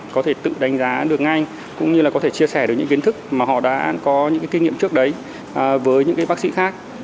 có thể tự đánh giá được ngay cũng như là có thể chia sẻ được những kiến thức mà họ đã có những kinh nghiệm trước đấy với những bác sĩ khác